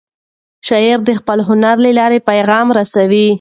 شاعر د خپل هنر له لارې پیغام رسوي.